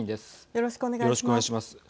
よろしくお願いします。